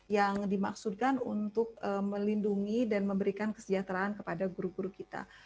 yang dimaksudkan untuk melindungi dan memberikan kesejahteraan kepada guru guru kita